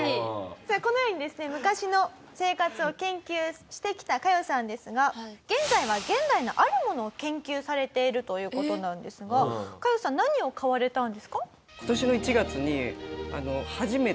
さあこのようにですね昔の生活を研究してきたカヨさんですが現在は現代のあるものを研究されているという事なんですがカヨさん何を買われたんですか？